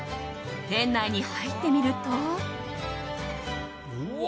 店内に入ってみると。